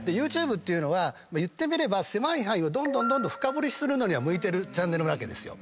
ＹｏｕＴｕｂｅは言ってみれば狭い範囲をどんどんどんどん深掘りするのには向いてるチャンネルなわけですよ。